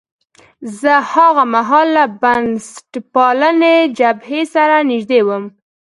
زه هاغه مهال له بنسټپالنې جبهې سره نژدې وم.